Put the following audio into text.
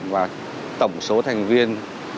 và tổng số thành viên